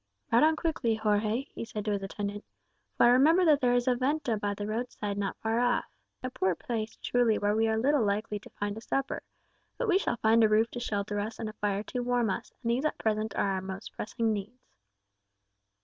"Ride on quickly, Jorge," he said to his attendant, "for I remember there is a venta[#] by the roadside not far off. A poor place truly, where we are little likely to find a supper. But we shall find a roof to shelter us and fire to warm us, and these at present are our most pressing needs."